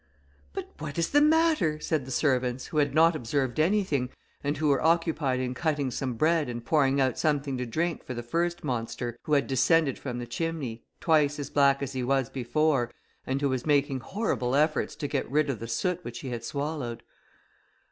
"But what is the matter?" said the servants, who had not observed anything, and who were occupied in cutting some bread and pouring out something to drink for the first monster, who had descended from the chimney, twice as black as he was before, and who was making horrible efforts to get rid of the soot which he had swallowed.